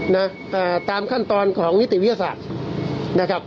นะอ่าตามขั้นตอนของนิติวิทยาศาสตร์นะครับ